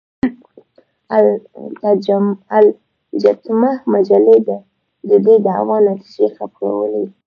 المجتمع مجلې د دې دعوې نتیجې خپرولې.